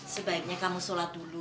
sebaiknya kamu sholat dulu